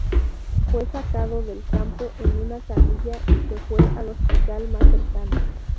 Fue sacado del campo en una camilla y se fue al hospital más cercano.